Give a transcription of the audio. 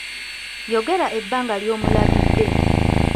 Yogera ebbanga ly'omulabidde.